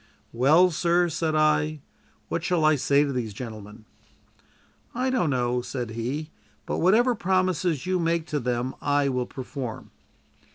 "Well, sir," said I, "what shall I say to these gentlemen?" "I don't know," said he; "but whatever promise you make to them I will perform."